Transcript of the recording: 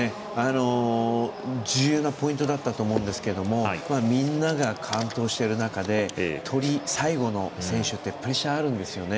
重要なポイントだったと思うんですけどみんなが完登している中で最後の選手ってプレッシャーがあるんですよね。